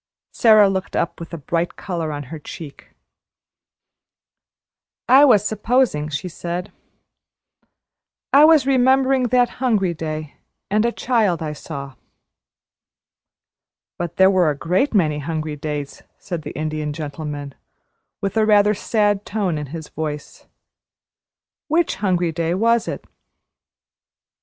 Sara looked up with a bright color on her cheeks. "I was `supposing,'" she said; "I was remembering that hungry day, and a child I saw." "But there were a great many hungry days," said the Indian Gentleman, with a rather sad tone in his voice. "Which hungry day was it?"